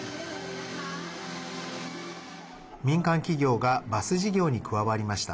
民間企業がバス事業に加わりました。